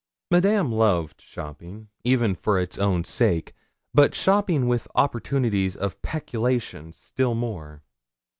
Madame loved shopping, even for its own sake, but shopping with opportunities of peculation still more.